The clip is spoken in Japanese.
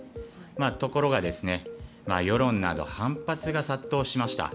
ところが、世論などの反発が殺到しました。